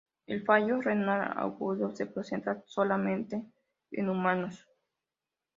El fallo renal agudo se presenta solamente en humanos.